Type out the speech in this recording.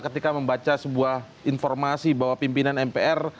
ketika membaca sebuah informasi bahwa pimpinan mpr